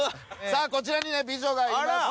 こちらには美女がいますよ。